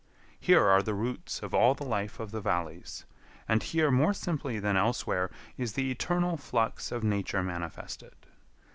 Here are the roots of all the life of the valleys, and here more simply than elsewhere is the eternal flux of nature manifested.